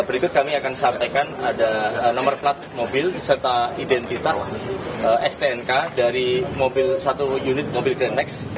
berikut kami akan sampaikan ada nomor plat mobil serta identitas stnk dari mobil satu unit mobil krennex